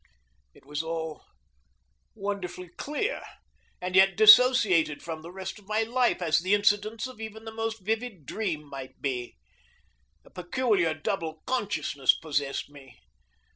It was all wonderfully clear, and yet disassociated from the rest of my life, as the incidents of even the most vivid dream might be. A peculiar double consciousness possessed me.